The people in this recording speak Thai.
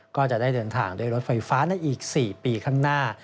ก็จะได้เดินทางด้วยรถไฟฟ้าในอีก๔ปีข้างหน้า